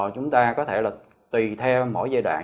chúng ta có thể là tùy theo mỗi giai đoạn